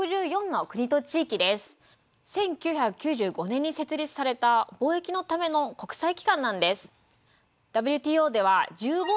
１９９５年に設立された貿易のための国際機関なんです。